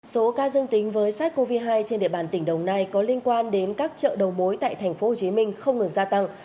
số ca dương tính với sars cov hai trên địa bàn tỉnh đồng nai có liên quan đến các chợ đầu mối tại thành phố hồ chí minh không ngừng gia tăng